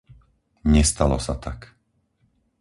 Nestalo sa tak.